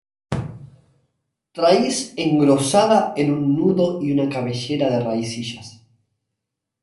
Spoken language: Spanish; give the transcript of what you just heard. Raíz engrosada en un nudo y una cabellera de raicillas.